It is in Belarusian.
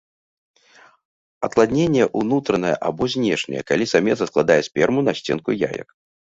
Апладненне ўнутранае або знешняе, калі самец адкладае сперму на сценку яек.